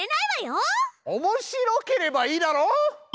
おもしろければいいだろ！